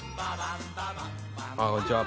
「ああこんにちは」